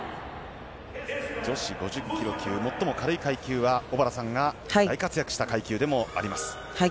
女子５０ｋｇ級最も軽い階級は小原さんが大活躍した階級でもあります。